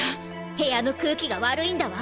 部屋の空気が悪いんだわ！